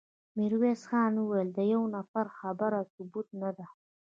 ميرويس خان وويل: د يوه نفر خبره ثبوت نه ده.